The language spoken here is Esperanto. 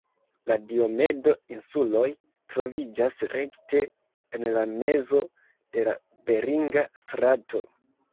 La Diomedo-insuloj troviĝas rekte en la mezo de la Beringa Strato.